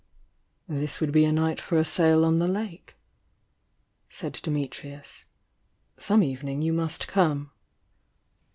"This would be a night for a sail on the lake," said Dimitrius. "Some evening you must come."